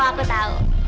oh aku tahu